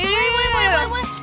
boleh boleh boleh